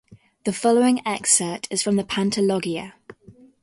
The following excerpt is from the Pantologia.